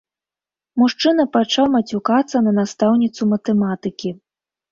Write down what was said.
Мужчына пачаў мацюкацца на настаўніцу матэматыкі.